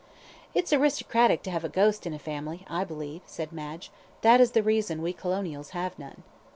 "It's aristocratic to have a ghost in a family, I believe," said Madge; "that is the reason we colonials have none."